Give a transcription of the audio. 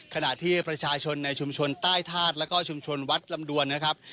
ขณะที่ประชาชนในชุมชนใต้ธาตุแล้วก็ชุมชนวัดลำดวนนะครับ